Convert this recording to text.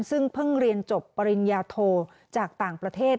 ซึ่งเพิ่งเรียนจบปริญญาโทจากต่างประเทศ